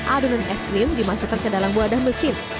adonan es krim dimasukkan ke dalam wadah mesin